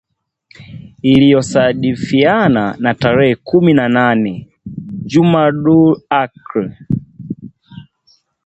ILIYOSADIFIANA NA TAREHE KUMI NA NANE JUMADUL AKHIR